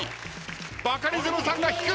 バカリズムさんが引く。